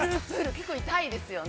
結構、痛いですよね。